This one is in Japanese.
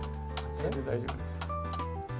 大丈夫です。